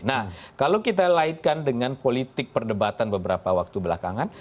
nah kalau kita laitkan dengan politik perdebatan beberapa waktu belakangan